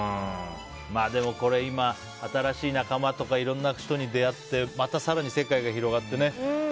まあでも、今、新しい仲間とかいろんな人に出会ってまた更に世界が広がってね。